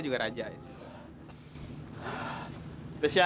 tidak ada apaan